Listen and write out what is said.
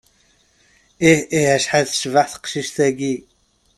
Ihih, acḥal tecbeḥ teqcict-agi!